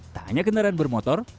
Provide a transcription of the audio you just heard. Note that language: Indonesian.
tak hanya kendaraan bermotor